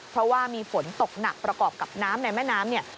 เพราะว่ามีฝนตกหนักประกอบกับน้ำในแม่น้ำเนี่ย